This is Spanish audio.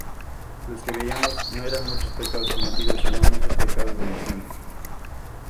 Lo que veíamos no era muchos pecados cometidos, si no muchos pecados de omisión.